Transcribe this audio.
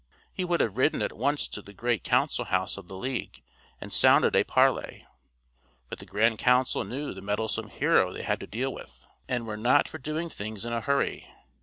He would have ridden at once to the great council house of the league and sounded a parley; but the grand council knew the mettlesome hero they had to deal with, and were not for doing things in a hurry.